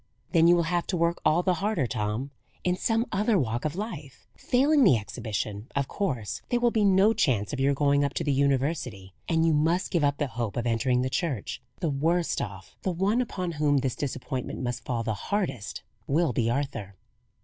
"Then you will have to work all the harder, Tom, in some other walk of life. Failing the exhibition, of course there will be no chance of your going up to the university; and you must give up the hope of entering the Church. The worst off the one upon whom this disappointment must fall the hardest will be Arthur."